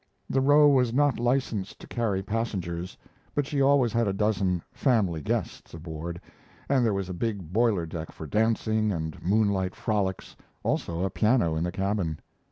The Roe was not licensed to carry passengers, but she always had a dozen "family guests" aboard, and there was a big boiler deck for dancing and moonlight frolics, also a piano in the cabin.